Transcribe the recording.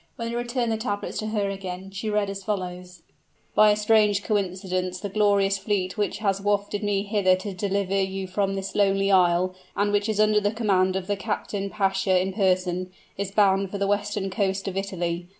When he returned the tablets to her again she read as follows: "By a strange coincidence the glorious fleet which has wafted me hither to deliver you from this lonely isle, and which is under the command of the kapitan pasha in person, is bound for the western coast of Italy.